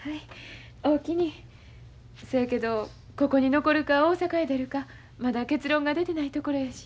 そやけどここに残るか大阪へ出るかまだ結論が出てないところやし。